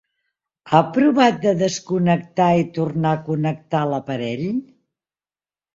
Ha provat de desconnectar i tornar a connectar l'aparell?